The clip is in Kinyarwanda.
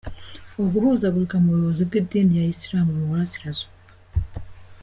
Uguhuzagurika mu buyobozi bw’idini ya Islam mu Burasirazuba”.